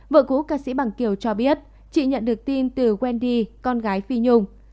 vợ cũ ca sĩ bằng kiều cho biết chị nhận được tin từ wendy con gái phi nhung